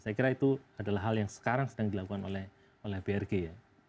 saya kira itu adalah hal yang sekarang sedang dilakukan oleh brg ya